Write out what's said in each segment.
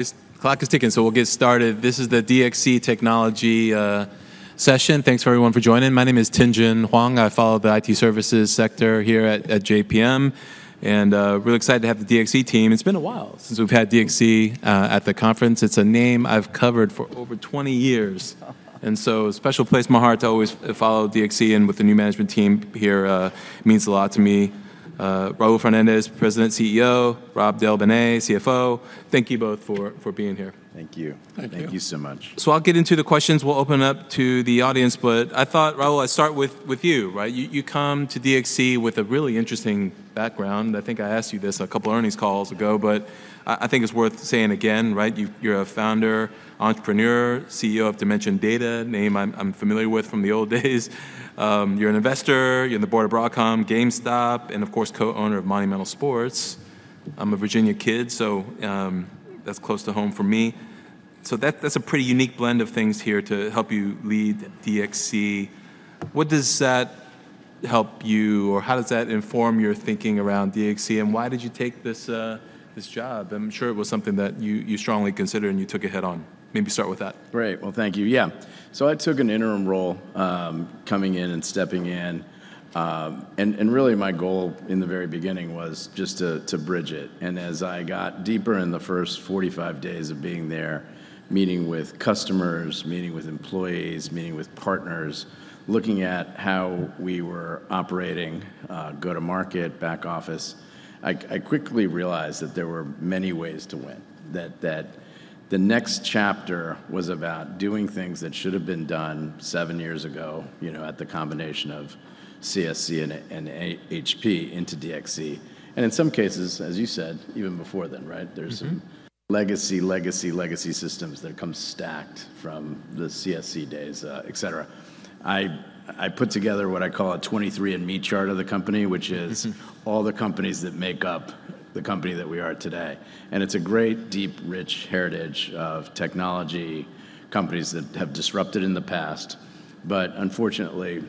This clock is ticking, so we'll get started. This is the DXC Technology session. Thanks for everyone for joining. My name is Tien-tsin Huang. I follow the IT services sector here at JPM, and really excited to have the DXC team. It's been a while since we've had DXC at the conference. It's a name I've covered for over 20 years. And so a special place in my heart to always follow DXC, and with the new management team here, means a lot to me. Raul Fernandez, President, CEO. Rob DelBene, CFO. Thank you both for being here. Thank you. Thank you. Thank you so much. So I'll get into the questions. We'll open up to the audience, but I thought, Raul, I'd start with you, right? You come to DXC with a really interesting background. I think I asked you this a couple earnings calls ago, but I think it's worth saying again, right? You're a founder, entrepreneur, CEO of Dimension Data, a name I'm familiar with from the old days. You're an investor, you're on the board of Broadcom, GameStop, and of course, co-owner of Monumental Sports. I'm a Virginia kid, so that's close to home for me. So that's a pretty unique blend of things here to help you lead DXC. What does that help you, or how does that inform your thinking around DXC, and why did you take this job? I'm sure it was something that you, you strongly considered, and you took it head-on. Maybe start with that. Great. Well, thank you. Yeah. So I took an interim role, coming in and stepping in, and really my goal in the very beginning was just to bridge it, and as I got deeper in the first 45 days of being there, meeting with customers, meeting with employees, meeting with partners, looking at how we were operating, go-to-market, back office, I quickly realized that there were many ways to win. That the next chapter was about doing things that should have been done 7 years ago, you know, at the combination of CSC and HPE into DXC, and in some cases, as you said, even before then, right? There's some legacy, legacy, legacy systems that come stacked from the CSC days, et cetera. I put together what I call a 23 and me chart of the company, which is all the companies that make up the company that we are today. And it's a great, deep, rich heritage of technology companies that have disrupted in the past. But unfortunately,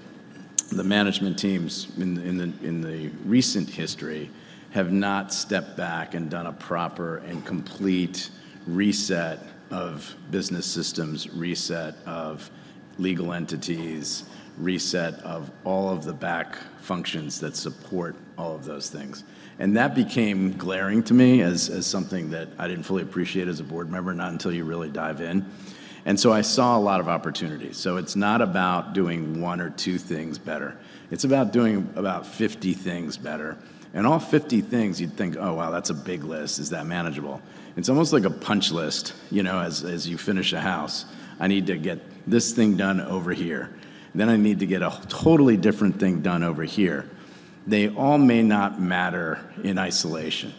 the management teams in the recent history have not stepped back and done a proper and complete reset of business systems, reset of legal entities, reset of all of the back functions that support all of those things. And that became glaring to me as something that I didn't fully appreciate as a board member, not until you really dive in. And so I saw a lot of opportunities. So it's not about doing one or two things better. It's about doing about 50 things better. And all 50 things, you'd think, Oh, wow, that's a big list. Is that manageable? It's almost like a punch list, you know, as you finish a house. I need to get this thing done over here. Then I need to get a totally different thing done over here. They all may not matter in isolation.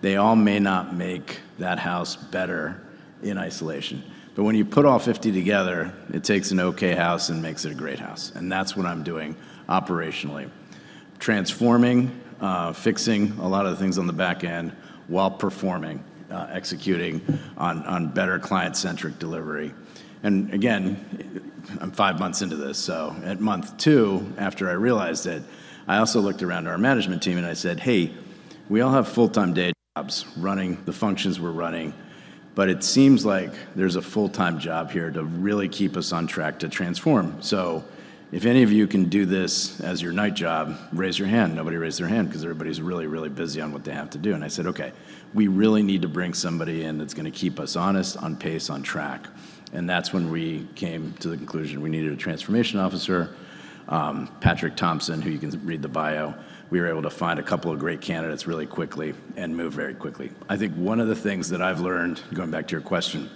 They all may not make that house better in isolation, but when you put all 50 together, it takes an okay house and makes it a great house, and that's what I'm doing operationally: transforming, fixing a lot of the things on the back end while performing, executing on better client-centric delivery. And again, I'm 5 months into this, so at month 2, after I realized it, I also looked around our management team, and I said, "Hey, we all have full-time day jobs running the functions we're running, but it seems like there's a full-time job here to really keep us on track to transform. So if any of you can do this as your night job, raise your hand." Nobody raised their hand 'cause everybody's really, really busy on what they have to do. And I said, "Okay, we really need to bring somebody in that's gonna keep us honest, on pace, on track." And that's when we came to the conclusion we needed a transformation officer. Patrick Thompson, who you can read the bio, we were able to find a couple of great candidates really quickly and move very quickly. I think one of the things that I've learned, going back to your question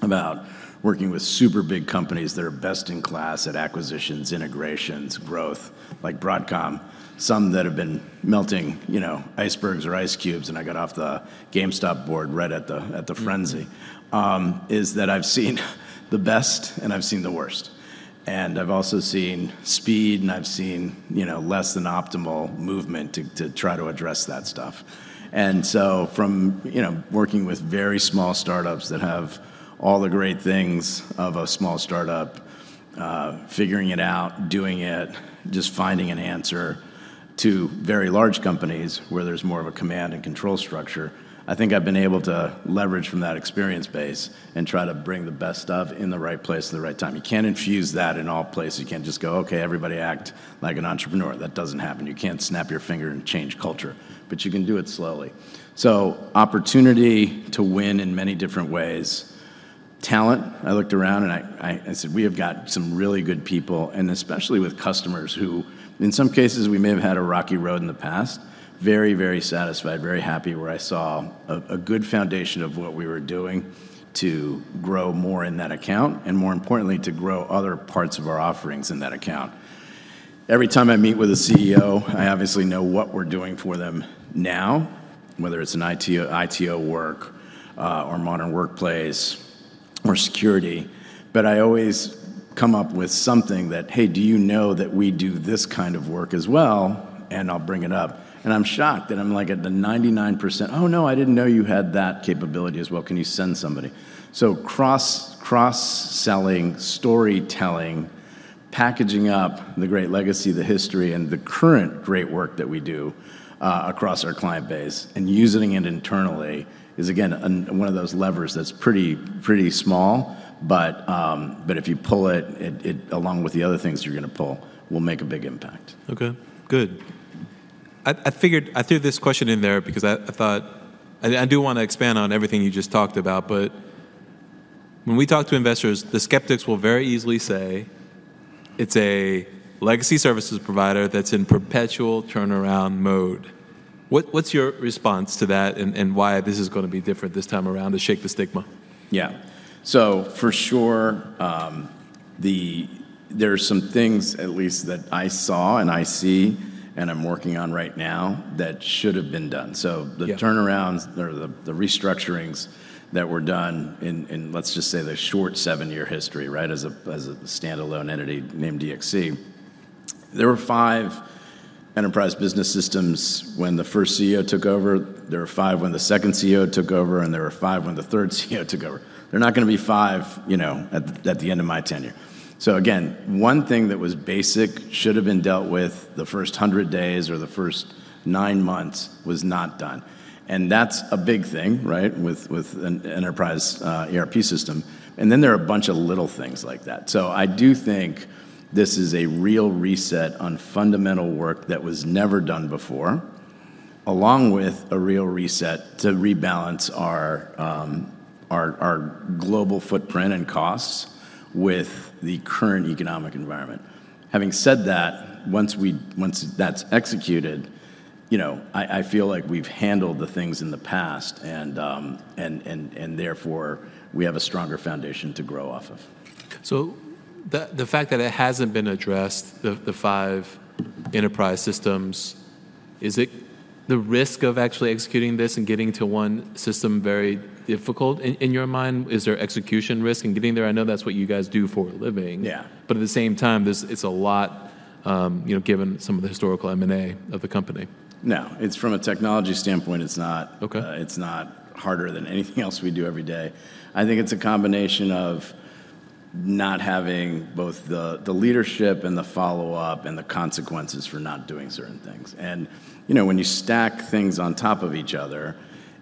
about working with super big companies that are best in class at acquisitions, integrations, growth, like Broadcom, some that have been melting, you know, icebergs or ice cubes, and I got off the GameStop board right at the-... frenzy, is that I've seen the best and I've seen the worst. And I've also seen speed, and I've seen, you know, less than optimal movement to, to try to address that stuff. And so from, you know, working with very small startups that have all the great things of a small startup, figuring it out, doing it, just finding an answer, to very large companies where there's more of a command and control structure, I think I've been able to leverage from that experience base and try to bring the best of in the right place at the right time. You can't infuse that in all places. You can't just go: Okay, everybody act like an entrepreneur. That doesn't happen. You can't snap your finger and change culture, but you can do it slowly. So opportunity to win in many different ways. Talent, I looked around and I said, "We have got some really good people," and especially with customers who, in some cases, we may have had a rocky road in the past, very, very satisfied, very happy, where I saw a good foundation of what we were doing to grow more in that account and, more importantly, to grow other parts of our offerings in that account. Every time I meet with a CEO, I obviously know what we're doing for them now, whether it's an ITO, ITO work, orMmodern Workplace or Security, but I always come up with something that, "Hey, do you know that we do this kind of work as well?" And I'll bring it up, and I'm shocked, and I'm like, at the 99%: "Oh, no, I didn't know you had that capability as well. “Can you send somebody?” So cross-selling, storytelling, packaging up the great legacy, the history, and the current great work that we do across our client base, and using it internally is, again, one of those levers that's pretty small, but if you pull it, it along with the other things you're gonna pull, will make a big impact. Okay, good. I figured—I threw this question in there because I thought... I do wanna expand on everything you just talked about, but when we talk to investors, the skeptics will very easily say, "It's a legacy services provider that's in perpetual turnaround mode." What's your response to that, and why this is gonna be different this time around to shake the stigma? Yeah. So for sure, there are some things at least that I saw, and I see, and I'm working on right now that should have been done. Yeah. So the turnarounds or the restructurings that were done in, let's just say, the short 7-year history, right? As a standalone entity named DXC, there were 5 enterprise business systems when the first CEO took over, there were 5 when the second CEO took over, and there were 5 when the third CEO took over. They're not gonna be 5, you know, at the end of my tenure. So again, one thing that was basic should have been dealt with the first 100 days or the first 9 months was not done, and that's a big thing, right? With an enterprise ERP system. And then there are a bunch of little things like that. So I do think this is a real reset on fundamental work that was never done before, along with a real reset to rebalance our global footprint and costs with the current economic environment. Having said that, once that's executed, you know, I feel like we've handled the things in the past and therefore, we have a stronger foundation to grow off of. So the fact that it hasn't been addressed, the five enterprise systems, is it the risk of actually executing this and getting to one system very difficult in your mind? Is there execution risk in getting there? I know that's what you guys do for a living. Yeah. But at the same time, this, it's a lot, you know, given some of the historical M&A of the company. No. It's from a technology standpoint, it's not- Okay.... it's not harder than anything else we do every day. I think it's a combination of not having both the leadership and the follow-up and the consequences for not doing certain things. And, you know, when you stack things on top of each other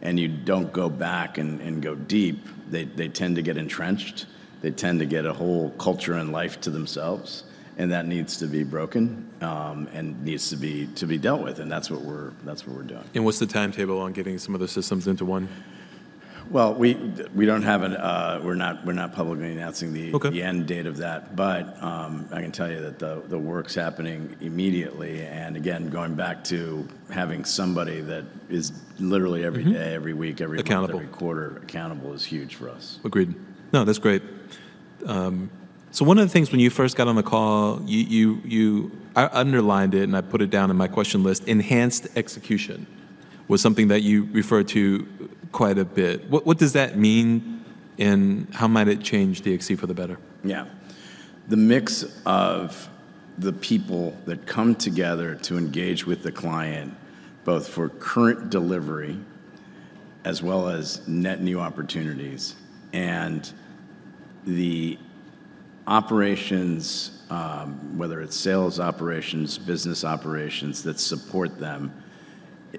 and you don't go back and go deep, they tend to get entrenched, they tend to get a whole culture and life to themselves, and that needs to be broken and needs to be dealt with. And that's what we're doing. What's the timetable on getting some of the systems into one? Well, we don't have an... We're not publicly announcing the- Okay... the end date of that. But, I can tell you that the work's happening immediately, and again, going back to having somebody that is literally-... every day, every week, every quarter- Accountable... accountable is huge for us. Agreed. No, that's great. So one of the things when you first got on the call, I underlined it, and I put it down in my question list: enhanced execution was something that you referred to quite a bit. What does that mean, and how might it change DXC for the better? Yeah. The mix of the people that come together to engage with the client, both for current delivery as well as net new opportunities, and the operations, whether it's sales operations, business operations that support them,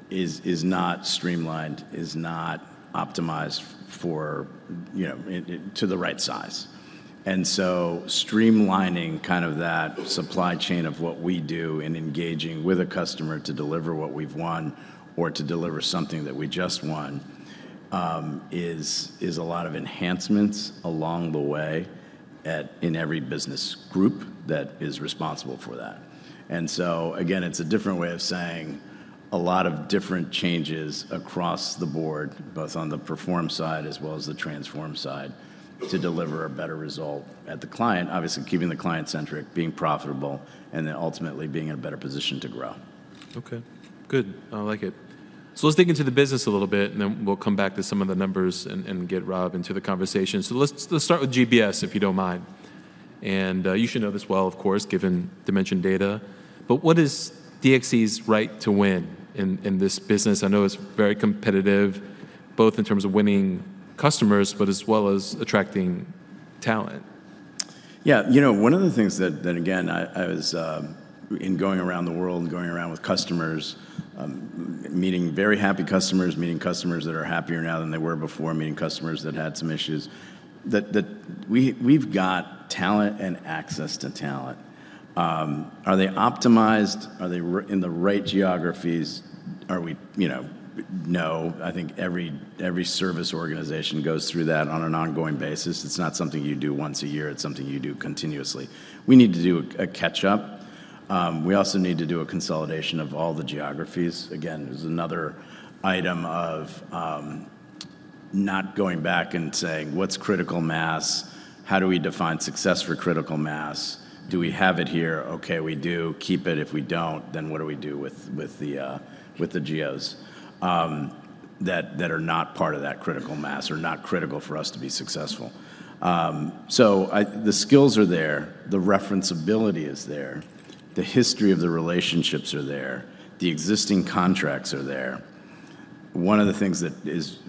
is not streamlined, is not optimized for, you know, it to the right size. And so streamlining kind of that supply chain of what we do and engaging with a customer to deliver what we've won or to deliver something that we just won, is a lot of enhancements along the way in every business group that is responsible for that. And so, again, it's a different way of saying a lot of different changes across the board, both on the perform side as well as the transform side, to deliver a better result at the client. Obviously, keeping the client-centric, being profitable, and then ultimately being in a better position to grow. Okay, good. I like it. So let's dig into the business a little bit, and then we'll come back to some of the numbers and, and get Rob into the conversation. So let's, let's start with GBS, if you don't mind, and you should know this well, of course, given Dimension Data, but what is DXC's right to win in, in this business? I know it's very competitive, both in terms of winning customers, but as well as attracting talent. Yeah, you know, one of the things that, that again, I, I was in going around the world and going around with customers, meeting very happy customers, meeting customers that are happier now than they were before, meeting customers that had some issues, that, that we've got talent and access to talent. Are they optimized? Are they in the right geographies? Are we... You know, no. I think every service organization goes through that on an ongoing basis. It's not something you do once a year. It's something you do continuously. We need to do a catch-up. We also need to do a consolidation of all the geographies. Again, there's another item of not going back and saying: What's critical mass? How do we define success for critical mass? Do we have it here? Okay, we do. Keep it. If we don't, then what do we do with, with the geos that are not part of that critical mass or not critical for us to be successful? So the skills are there, the reference ability is there, the history of the relationships are there, the existing contracts are there. One of the things that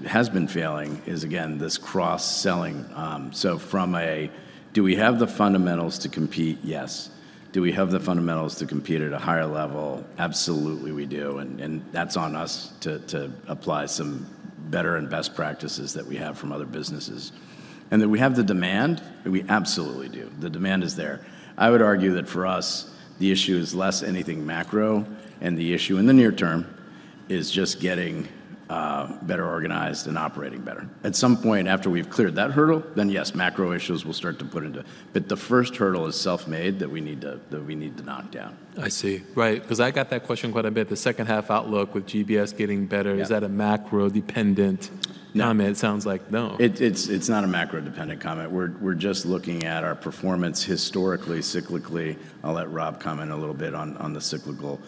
has been failing is, again, this cross-selling. So from a, do we have the fundamentals to compete? Yes. Do we have the fundamentals to compete at a higher level? Absolutely, we do, and that's on us to apply some better and best practices that we have from other businesses. And that we have the demand? We absolutely do. The demand is there. I would argue that for us, the issue is less anything macro, and the issue in the near term is just getting better organized and operating better. At some point, after we've cleared that hurdle, then yes, macro issues will start to put into— But the first hurdle is self-made, that we need to, that we need to knock down. I see. Right, 'cause I got that question quite a bit. The second-half outlook with GBS getting better- Yeah. Is that a macro-dependent comment? No. It sounds like no. It's not a macro-dependent comment. We're just looking at our performance historically, cyclically. I'll let Rob comment a little bit on the cyclical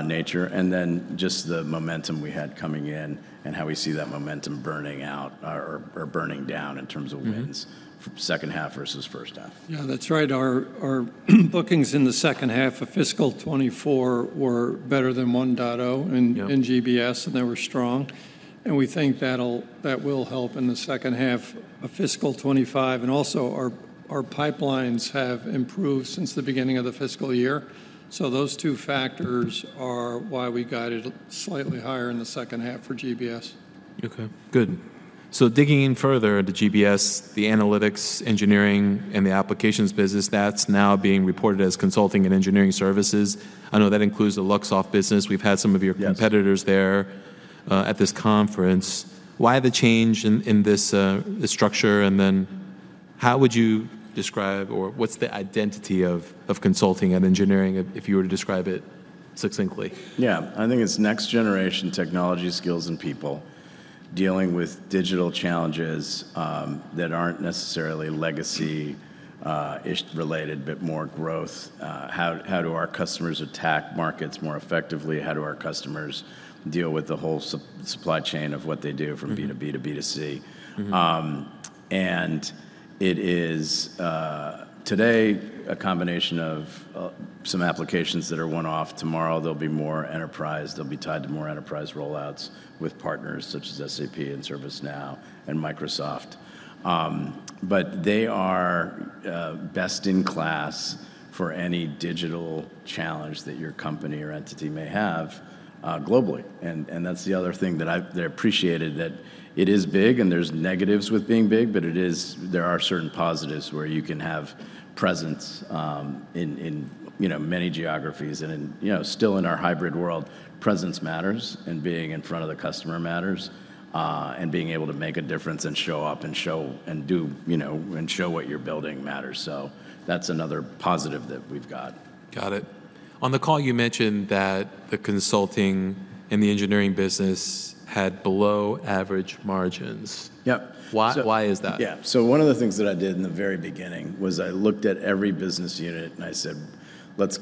nature, and then just the momentum we had coming in and how we see that momentum burning out or burning down in terms of wins- - second half versus first half. Yeah, that's right. Our bookings in the second half of fiscal 2024 were better than 1.0 in- Yeah... in GBS, and they were strong, and we think that'll, that will help in the second half of fiscal 2025. And also, our, our pipelines have improved since the beginning of the fiscal year. So those two factors are why we guided slightly higher in the second half for GBS. Okay, good. So digging in further, the GBS, the analytics, engineering, and the applications business, that's now being reported as Consulting and Engineering Services. I know that includes the Luxoft business. We've had some of your- Yes... competitors there at this conference. Why the change in this structure, and then how would you describe or what's the identity of Consulting and Engineering, if you were to describe it succinctly? Yeah. I think it's next-generation technology skills and people dealing with digital challenges that aren't necessarily legacy issue related, but more growth. How do our customers attack markets more effectively? How do our customers deal with the whole supply chain of what they do from-... B2B to B2C? It is, today, a combination of some applications that are one-off. Tomorrow, they'll be more enterprise. They'll be tied to more enterprise rollouts with partners such as SAP and ServiceNow and Microsoft. But they are best in class for any digital challenge that your company or entity may have, globally, and that's the other thing they appreciated, that it is big, and there's negatives with being big, but there are certain positives where you can have presence in, you know, many geographies. In, you know, still in our hybrid world, presence matters, and being in front of the customer matters, and being able to make a difference and show up and show and do, you know, and show what you're building matters. So that's another positive that we've got. Got it. On the call, you mentioned that the consulting and the engineering business had below-average margins. Yep. Why, why is that? Yeah. So one of the things that I did in the very beginning was I looked at every business unit, and I said, "Let's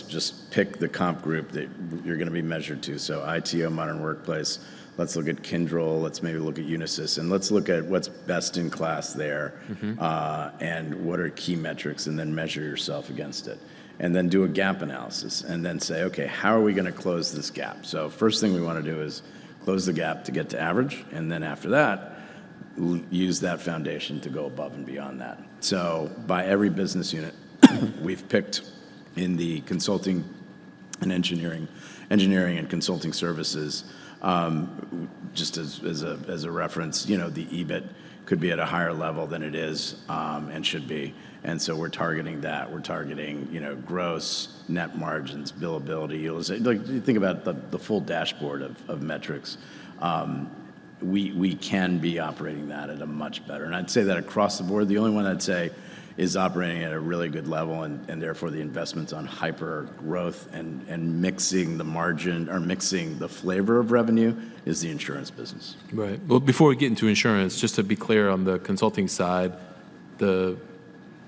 just pick the comp group that you're gonna be measured to." So ITO, Modern Workplace, let's look at Kyndryl, let's maybe look at Unisys, and let's look at what's best in class there.... and what are key metrics, and then measure yourself against it. Then do a gap analysis, and then say, "Okay, how are we gonna close this gap?" So first thing we wanna do is close the gap to get to average, and then after that, use that foundation to go above and beyond that. So by every business unit, we've picked in the consulting and engineering, engineering and consulting services, just as a reference, you know, the EBIT could be at a higher level than it is, and should be, and so we're targeting that. We're targeting, you know, gross net margins, billability, utilization. Like, you think about the full dashboard of metrics. We can be operating that at a much better... I'd say that across the board, the only one I'd say is operating at a really good level, therefore, the investments on hypergrowth and mixing the margin or mixing the flavor of revenue is the Insurance business. Right. Well, before we get into Insurance, just to be clear on the consulting side, the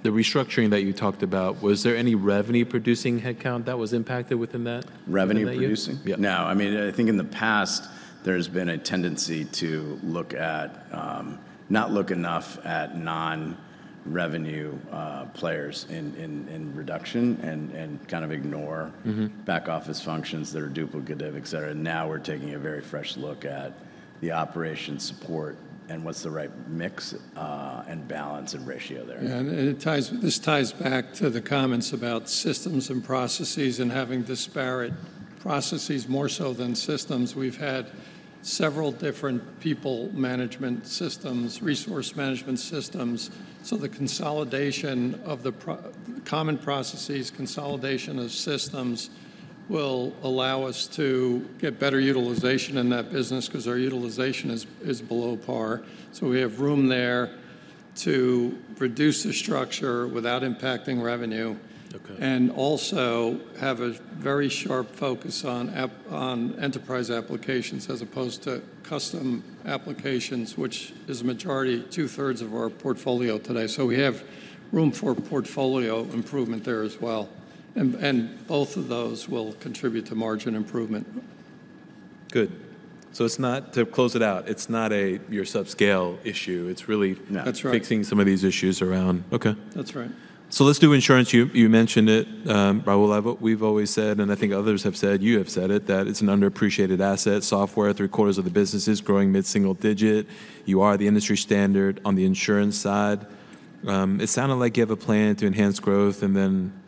restructuring that you talked about, was there any revenue-producing headcount that was impacted within that? Revenue-producing? Yeah. No, I mean, I think in the past, there's been a tendency to not look enough at non-revenue players in reduction and kind of ignore-... back office functions that are duplicative, et cetera. Now, we're taking a very fresh look at the operation support and what's the right mix, and balance and ratio there. Yeah, and it ties—this ties back to the comments about systems and processes and having disparate processes more so than systems. We've had several different people management systems, resource management systems, so the consolidation of the proper common processes, consolidation of systems, will allow us to get better utilization in that business 'cause our utilization is below par. So we have room there to reduce the structure without impacting revenue- Okay... and also have a very sharp focus on app, on enterprise applications as opposed to custom applications, which is a majority, two-thirds of our portfolio today. So we have room for portfolio improvement there as well, and, and both of those will contribute to margin improvement. Good. So it's not, to close it out, it's not your subscale issue. It's really- No. That's right... fixing some of these issues around... Okay. That's right. So let's do insurance. You mentioned it, Rahul. We've always said, and I think others have said, you have said it, that it's an underappreciated asset. Software, three-quarters of the business is growing mid-single digit. You are the industry standard on the insurance side. It sounded like you have a plan to enhance growth, and then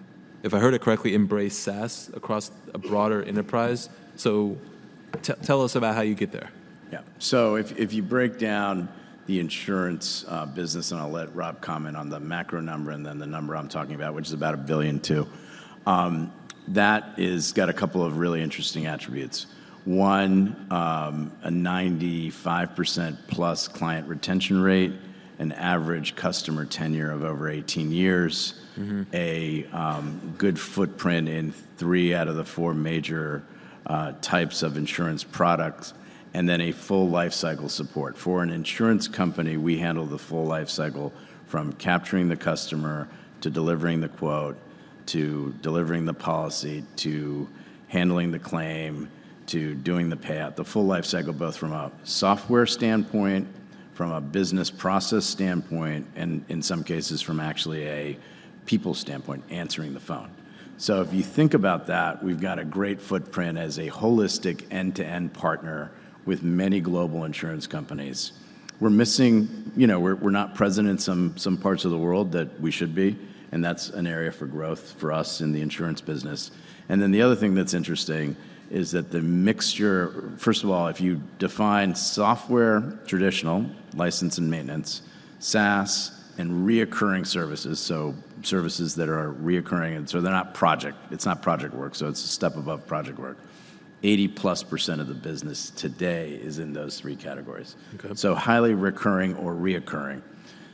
if I heard it correctly, embrace SaaS across a broader enterprise. So tell us about how you get there. Yeah. So if you break down the insurance business, and I'll let Rob comment on the macro number and then the number I'm talking about, which is about $1.2 billion. That got a couple of really interesting attributes. One, a 95%+ client retention rate, an average customer tenure of over 18 years-... a good footprint in three out of the four major types of insurance products, and then a full life cycle support. For an insurance company, we handle the full life cycle, from capturing the customer, to delivering the quote, to delivering the policy, to handling the claim, to doing the payout. The full life cycle, both from a software standpoint, from a business process standpoint, and in some cases, from actually a people standpoint, answering the phone. So if you think about that, we've got a great footprint as a holistic end-to-end partner with many global insurance companies. We're missing, you know, we're not present in some parts of the world that we should be, and that's an area for growth for us in the insurance business. And then the other thing that's interesting is that the mixture... First of all, if you define software, traditional, license and maintenance, SaaS and recurring services, so services that are recurring, and so they're not project, it's not project work, so it's a step above project work. 80%+ of the business today is in those three categories. Okay. So highly recurring or reoccurring.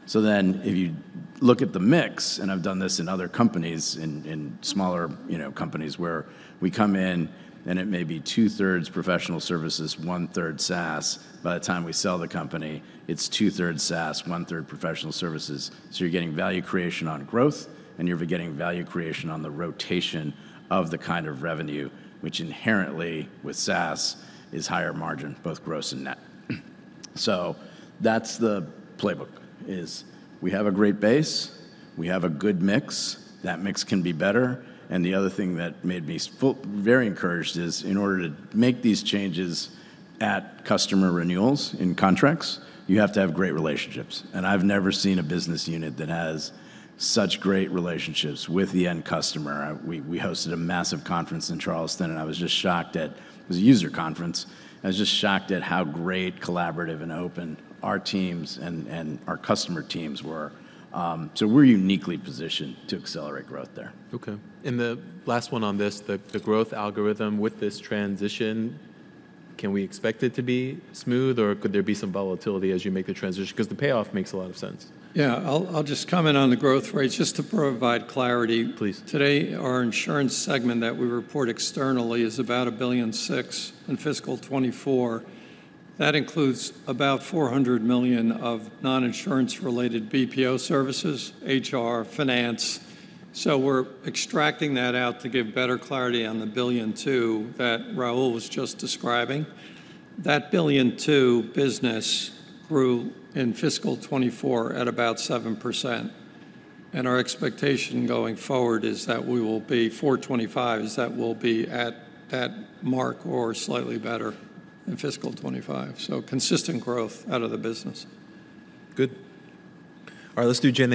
So then, if you look at the mix, and I've done this in other companies, in smaller, you know, companies where we come in, and it may be two-thirds professional services, one-third SaaS. By the time we sell the company, it's two-thirds SaaS, one-third professional services. So you're getting value creation on growth, and you're getting value creation on the rotation of the kind of revenue, which inherently, with SaaS, is higher margin, both gross and net. So that's the playbook, is we have a great base, we have a good mix. That mix can be better, and the other thing that made me feel very encouraged is in order to make these changes at customer renewals in contracts, you have to have great relationships, and I've never seen a business unit that has such great relationships with the end customer. We hosted a massive conference in Charleston, and I was just shocked at... It was a user conference. I was just shocked at how great, collaborative, and open our teams and our customer teams were. So we're uniquely positioned to accelerate growth there. Okay, and the last one on this, the growth algorithm with this transition, can we expect it to be smooth, or could there be some volatility as you make the transition? Because the payoff makes a lot of sense. Yeah, I'll just comment on the growth rates, just to provide clarity. Please. Today, our insurance segment that we report externally is about $1.6 billion in fiscal 2024. That includes about $400 million of non-insurance related BPO services, HR, finance. So we're extracting that out to give better clarity on the $1.2 billion that Raul was just describing. That $1.2 billion business grew in fiscal 2024 at about 7%, and our expectation going forward is that we will be, for 2025, is that we'll be at that mark or slightly better in fiscal 2025. So consistent growth out of the business. Good. All right, let's do GIS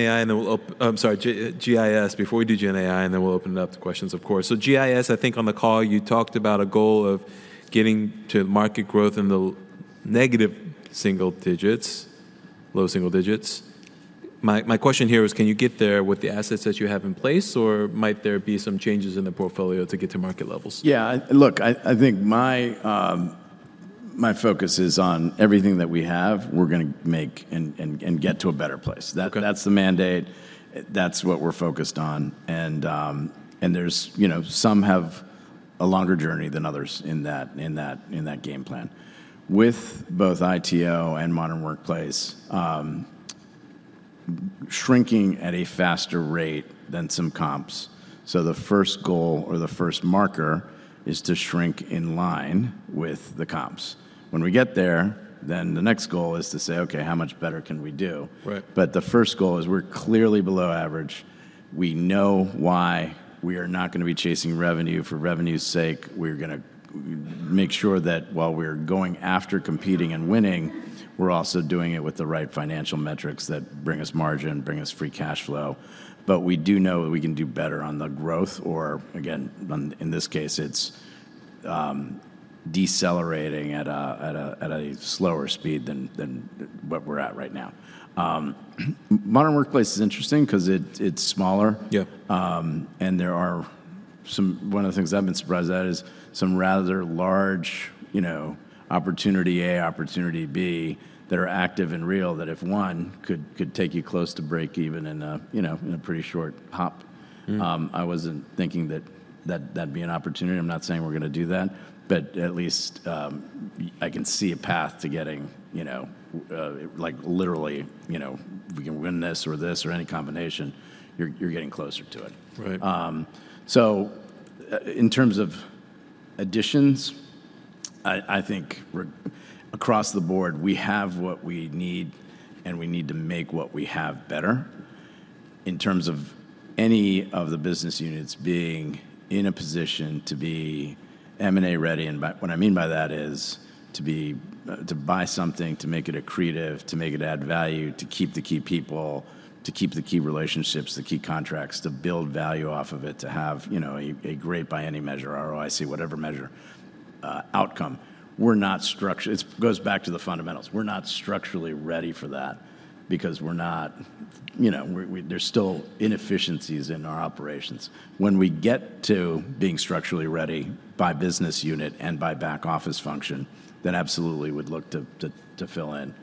before we do Gen AI, and then we'll open it up to questions, of course. So GIS, I think on the call, you talked about a goal of getting to market growth in the negative single digits, low single digits. My question here is, can you get there with the assets that you have in place, or might there be some changes in the portfolio to get to market levels? Yeah, look, I think my focus is on everything that we have. We're gonna make and get to a better place. Okay. That's the mandate. That's what we're focused on, and there's... You know, some have a longer journey than others in that game plan. With both ITO and Modern Workplace, shrinking at a faster rate than some comps, so the first goal or the first marker is to shrink in line with the comps. When we get there, then the next goal is to say, "Okay, how much better can we do? Right. But the first goal is we're clearly below average. We know why we are not gonna be chasing revenue for revenue's sake. We're gonna make sure that while we're going after competing and winning, we're also doing it with the right financial metrics that bring us margin, bring us free cash flow. But we do know that we can do better on the growth or, again, on, in this case, it's decelerating at a slower speed than what we're at right now. Modern Workplace is interesting because it's smaller. Yeah. There are some, one of the things I've been surprised at is some rather large, you know, opportunity A, opportunity B, that are active and real, that if one could, could take you close to break even in a, you know, in a pretty short hop. I wasn't thinking that that'd be an opportunity. I'm not saying we're gonna do that, but at least, I can see a path to getting, you know, like, literally, you know, we can win this or this or any combination. You're getting closer to it. Right. So in terms of additions, I think we're across the board, we have what we need, and we need to make what we have better. In terms of any of the business units being in a position to be M&A ready, and by what I mean by that is to be to buy something, to make it accretive, to make it add value, to keep the key people, to keep the key relationships, the key contracts, to build value off of it, to have, you know, a great by any measure, ROIC, whatever measure, outcome. We're not structurally ready for that because we're not, you know, we're, there's still inefficiencies in our operations. When we get to being structurally ready by business unit and by back office function, then absolutely would look to fill in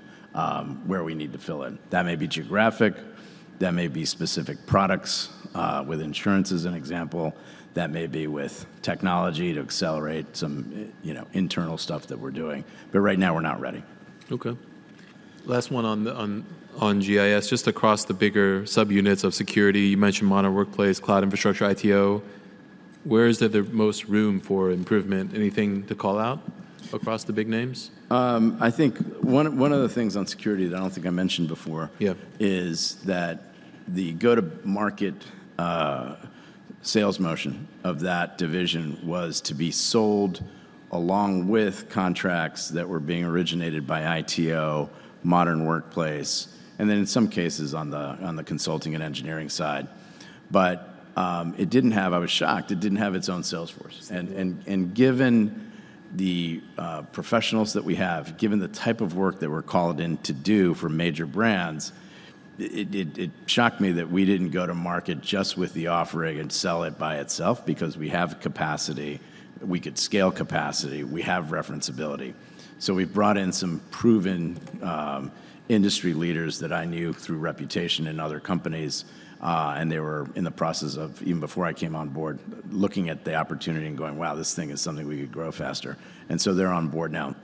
where we need to fill in. That may be geographic, that may be specific products, with insurance as an example, that may be with technology to accelerate some, you know, internal stuff that we're doing, but right now we're not ready. Okay. Last one on GIS. Just across the bigger subunits of security, you mentioned Modern Workplace, Cloud Infrastructure, ITO. Where is there the most room for improvement? Anything to call out across the big names? I think one of the things on security that I don't think I mentioned before- Yeah... is that the go-to-market sales motion of that division was to be sold along with contracts that were being originated by ITO, Modern Workplace, and then in some cases on the consulting and engineering side. But it didn't have... I was shocked, it didn't have its own sales force. Yeah. Given the professionals that we have, given the type of work that we're called in to do for major brands, it shocked me that we didn't go to market just with the offering and sell it by itself because we have capacity, we could scale capacity, we have reference ability. So we brought in some proven industry leaders that I knew through reputation in other companies, and they were in the process of, even before I came on board, looking at the opportunity and going: "Wow, this thing is something we could grow faster." And so they're on board now.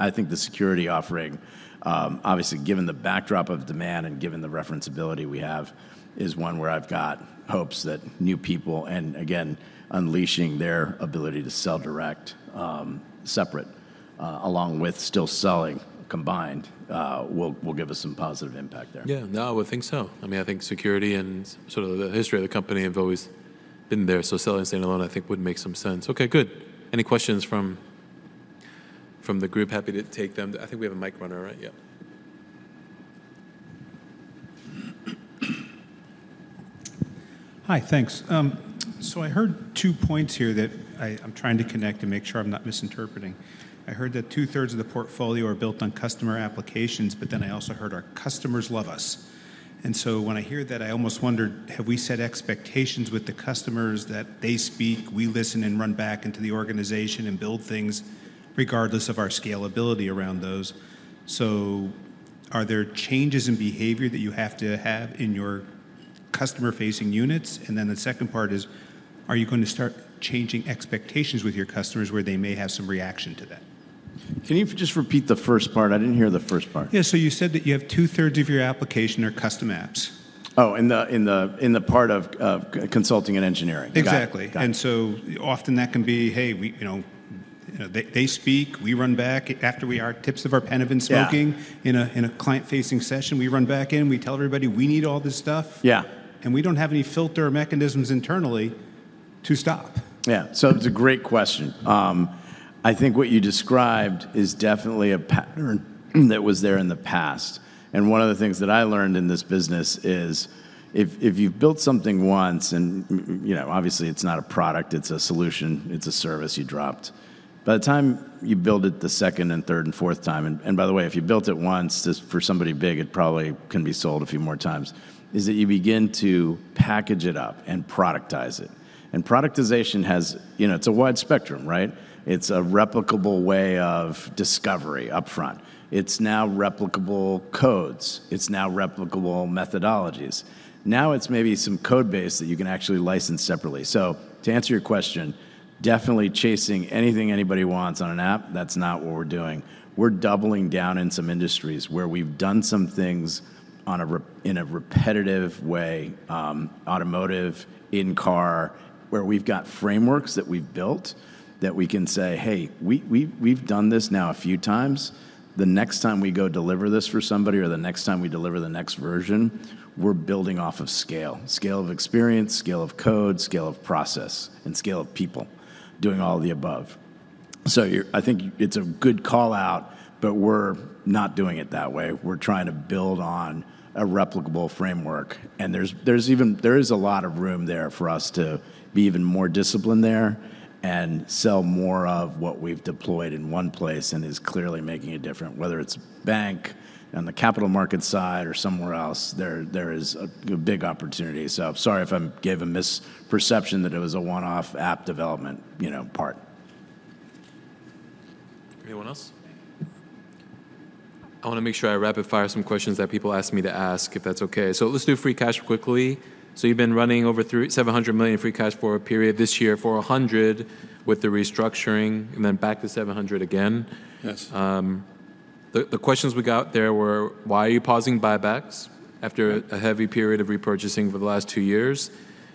I think the security offering, obviously, given the backdrop of demand and given the reference ability we have, is one where I've got hopes that new people, and again, unleashing their ability to sell direct, separate, along with still selling combined, will give us some positive impact there. Yeah. No, I would think so. I mean, I think security and sort of the history of the company have always been there, so selling and staying alone, I think, would make some sense. Okay, good. Any questions from the group? Happy to take them. I think we have a mic runner, right? Yeah. Hi, thanks. So I heard two points here that I'm trying to connect and make sure I'm not misinterpreting. I heard that two-thirds of the portfolio are built on customer applications, but then I also heard our customers love us. And so when I hear that, I almost wondered, have we set expectations with the customers that they speak, we listen and run back into the organization and build things regardless of our scalability around those? So are there changes in behavior that you have to have in your customer-facing units? And then the second part is: Are you going to start changing expectations with your customers, where they may have some reaction to that? Can you just repeat the first part? I didn't hear the first part. Yeah. So you said that you have two-thirds of your applications are custom apps. Oh, in the part of consulting and engineering. Exactly. Got it. So often that can be, "Hey, we," you know, they speak, we run back after we... our tips of our pen have been speaking- Yeah... in a client-facing session. We run back in, we tell everybody, we need all this stuff. Yeah. We don't have any filter mechanisms internally to stop. Yeah. So it's a great question. I think what you described is definitely a pattern that was there in the past. And one of the things that I learned in this business is if you've built something once, and, you know, obviously, it's not a product, it's a solution, it's a service you dropped. By the time you build it the second and third and fourth time, and by the way, if you built it once, just for somebody big, it probably can be sold a few more times, is that you begin to package it up and productize it. And productization has, you know, it's a wide spectrum, right? It's a replicable way of discovery upfront. It's now replicable codes. It's now replicable methodologies. Now, it's maybe some code base that you can actually license separately. So to answer your question, definitely chasing anything anybody wants on an app, that's not what we're doing. We're doubling down in some industries where we've done some things in a repetitive way, automotive, in-car, where we've got frameworks that we've built, that we can say, "Hey, we've done this now a few times. The next time we go deliver this for somebody or the next time we deliver the next version, we're building off of scale, scale of experience, scale of code, scale of process, and scale of people doing all of the above." So, I think it's a good call-out, but we're not doing it that way. We're trying to build on a replicable framework, and there is a lot of room there for us to be even more disciplined there and sell more of what we've deployed in one place and is clearly making a difference, whether it's bank, on the capital market side, or somewhere else, there is a big opportunity. So I'm sorry if I gave a misperception that it was a one-off app development, you know, part. Anyone else? I want to make sure I rapid-fire some questions that people asked me to ask, if that's okay. So let's do free cash quickly. So you've been running over $370 million free cash for a period this year, $400 with the restructuring, and then back to $700 again. Yes. The questions we got there were: Why are you pausing buybacks after- Yeah... a heavy period of repurchasing for the last 2 years?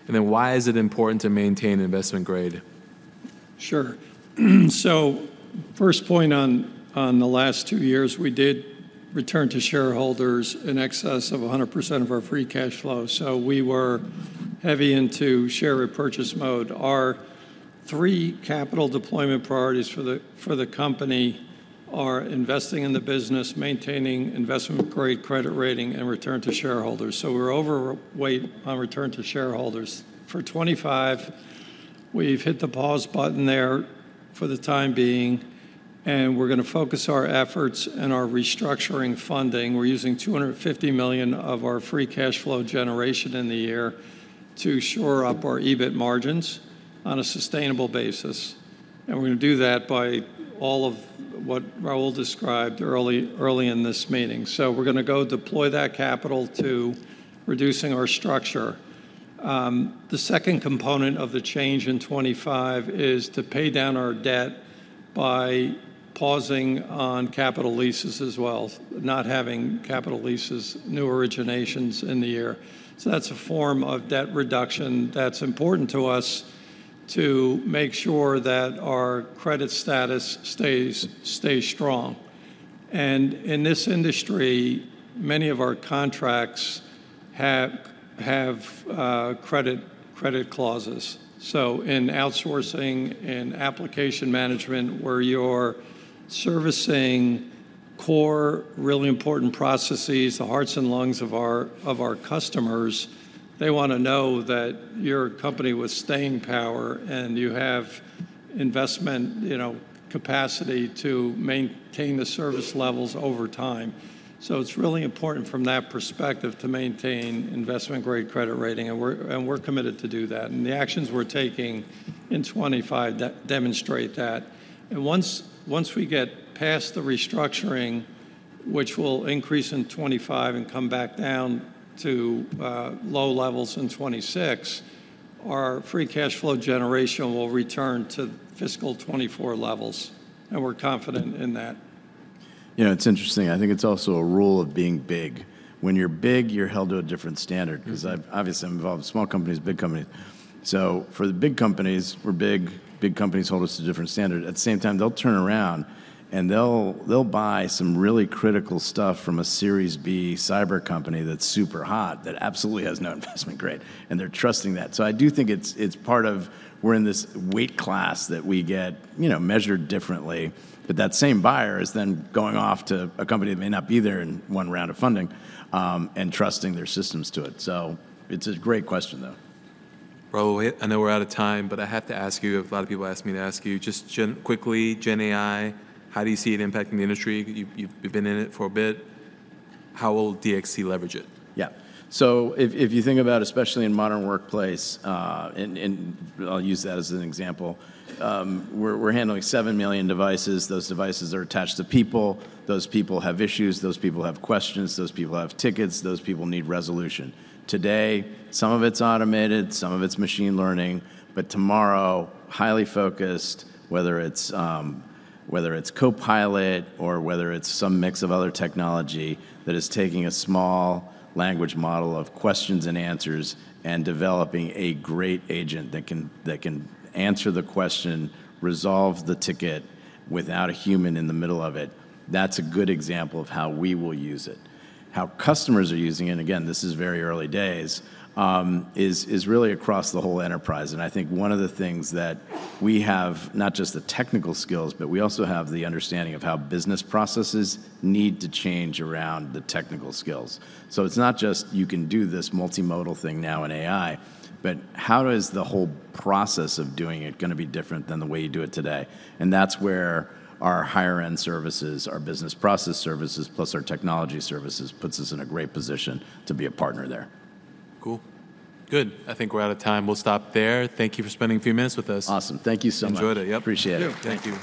And then why is it important to maintain Investment Grade?... Sure. So first point on the last two years, we did return to shareholders in excess of 100% of our free cash flow. So we were heavy into share repurchase mode. Our three capital deployment priorities for the company are investing in the business, maintaining investment-grade credit rating, and return to shareholders. So we're overweight on return to shareholders. For 2025, we've hit the pause button there for the time being, and we're gonna focus our efforts and our restructuring funding. We're using $250 million of our free cash flow generation in the year to shore up our EBIT margins on a sustainable basis, and we're gonna do that by all of what Raul described early in this meeting. So we're gonna go deploy that capital to reducing our structure. The second component of the change in 2025 is to pay down our debt by pausing on capital leases as well, not having capital leases, new originations in the year. So that's a form of debt reduction that's important to us to make sure that our credit status stays strong. And in this industry, many of our contracts have credit clauses. So in outsourcing and application management, where you're servicing core, really important processes, the hearts and lungs of our customers, they wanna know that you're a company with staying power and you have investment, you know, capacity to maintain the service levels over time. So it's really important from that perspective to maintain Investment Grade credit rating, and we're committed to do that, and the actions we're taking in 2025 demonstrate that. Once we get past the restructuring, which will increase in 2025 and come back down to low levels in 2026, our free cash flow generation will return to fiscal 2024 levels, and we're confident in that. You know, it's interesting. I think it's also a rule of being big. When you're big, you're held to a different standard- 'Cause I've... Obviously, I'm involved in small companies, big companies. So for the big companies, we're big, big companies hold us to a different standard. At the same time, they'll turn around and they'll buy some really critical stuff from a Series B cyber company that's super hot, that absolutely has no investment grade, and they're trusting that. So I do think it's part of we're in this weight class that we get, you know, measured differently, but that same buyer is then going off to a company that may not be there in one round of funding, and trusting their systems to it. So it's a great question, though. Raul, I know we're out of time, but I have to ask you. A lot of people asked me to ask you, just quickly, Gen AI, how do you see it impacting the industry? You've been in it for a bit. How will DXC leverage it? Yeah. So if you think about, especially in Modern Workplace, and I'll use that as an example, we're handling 7 million devices. Those devices are attached to people. Those people have issues, those people have questions, those people have tickets, those people need resolution. Today, some of it's automated, some of it's machine learning, but tomorrow, highly focused, whether it's Copilot or whether it's some mix of other technology that is taking a small language model of questions and answers and developing a great agent that can answer the question, resolve the ticket without a human in the middle of it, that's a good example of how we will use it. How customers are using it, and again, this is very early days, is really across the whole enterprise, and I think one of the things that we have, not just the technical skills, but we also have the understanding of how business processes need to change around the technical skills. So it's not just you can do this multimodal thing now in AI, but how is the whole process of doing it gonna be different than the way you do it today? And that's where our higher-end services, our business process services, plus our technology services, puts us in a great position to be a partner there. Cool. Good. I think we're out of time. We'll stop there. Thank you for spending a few minutes with us. Awesome. Thank you so much. Enjoyed it. Yep. Appreciate it. Thank you.